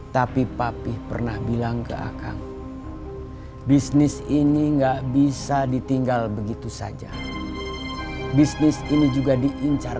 tapi papi pernah bilang ke akang bisnis ini enggak bisa ditinggal begitu saja bisnis ini juga diincar